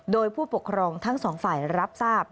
โดยผู้ปกครองทั้งสองฝ่ายรับทราบ